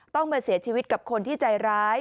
ต้องมาเสียชีวิตกับคนที่ใจร้าย